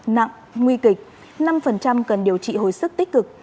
nặng nguy kịch năm cần điều trị hồi sức tích cực